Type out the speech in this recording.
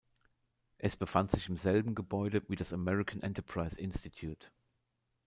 Es befand sich im selben Gebäude wie das American Enterprise Institute.